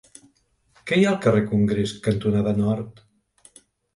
Què hi ha al carrer Congrés cantonada Nord?